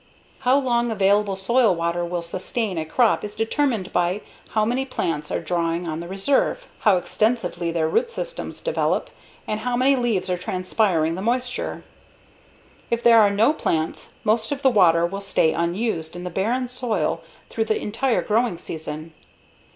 How long available soil water will sustain a crop is determined by how many plants are drawing on the reserve, how extensively their root systems develop, and how many leaves are transpiring the moisture. If there are no plants, most of the water will stay unused in the barren soil through the entire growing season.